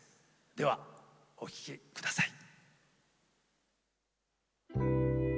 では、お聴きください。